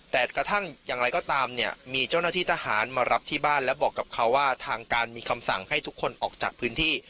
แต่กระทั่งอย่างไรก็ตามเนี่ยมีเจ้าหน้าที่ทหารมารับที่บ้านและบอกกับเขาว่าทางการมีคำสั่งให้ทุกคนออกจากพื้นที่